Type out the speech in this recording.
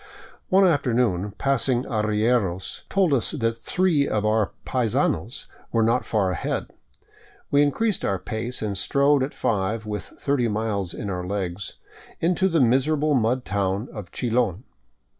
One afternoon passing arrieros told us that three of our paisanos were not far ahead. We increased our pace and strode at five, with thirty miles in our legs, into the miserable mud town of Chilon.